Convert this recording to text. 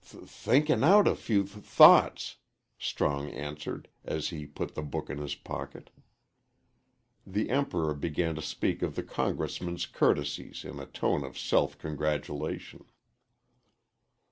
"Th thinkin' out a few th thoughts," Strong answered, as he put the book in his pocket. The Emperor began to speak of the Congressman's courtesies in a tone of self congratulation.